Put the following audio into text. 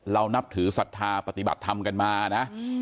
นับถือศรัทธาปฏิบัติธรรมกันมานะ